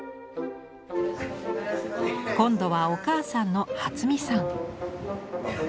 今度はお母さんの初美さん。